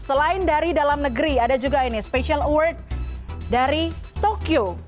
selain dari dalam negeri ada juga ini special award dari tokyo